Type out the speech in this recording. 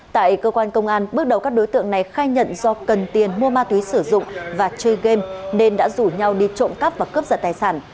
tại cơ quan công an bước đầu các đối tượng này khai nhận do cần tiền mua ma túy sử dụng và chơi game nên đã rủ nhau đi trộm cắp và cướp giật tài sản